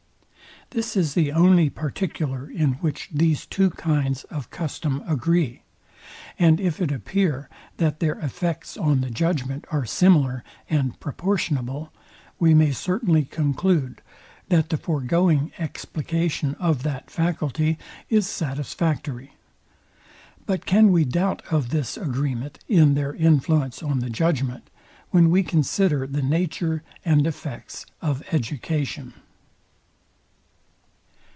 This is the only particular, in which these two kinds of custom agree; and if it appear, that their effects on the judgment, are similar and proportionable, we may certainly conclude, that the foregoing explication of that faculty is satisfactory. But can we doubt of this agreement in their influence on the judgment, when we consider the nature and effects Of EDUCATION?